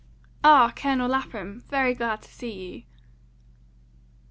"Ah, Colonel Lapham! Very glad to see you."